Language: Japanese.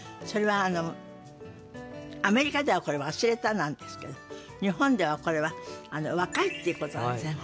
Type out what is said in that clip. それはアメリカではこれ「忘れた」なんですけど日本ではこれは「若い」っていうこと。